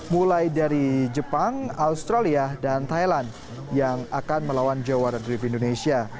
mulai dari jepang australia dan thailand yang akan melawan jawara drift indonesia